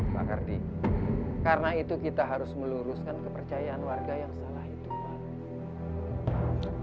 pak kardi karena itu kita harus meluruskan kepercayaan warga yang salah itu pak